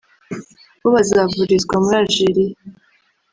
bo bazavurizwa muri Algeria